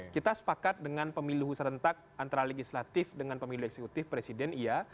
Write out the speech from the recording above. kita sepakat dengan pemilu serentak antara legislatif dengan pemilu eksekutif presiden iya